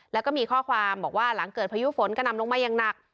แล้วก็มีข้อความบอกว่าหลังเกิดพายุฝนกระนำลงมาอย่างหนัก